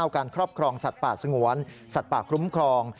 การครอบครองสัตว์ป่าสงวนสัตว์ป่าคุ้มครอง